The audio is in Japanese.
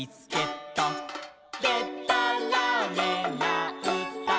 「でたらめなうた」